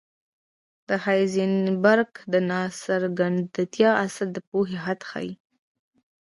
د هایزنبرګ ناڅرګندتیا اصل د پوهې حد ښيي.